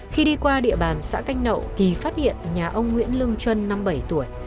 khi đi qua địa bàn xã canh nậu ki phát hiện nhà ông nguyễn lương chuyên năm bảy tuổi